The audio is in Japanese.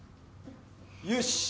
よし！